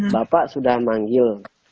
bapak sudah manggil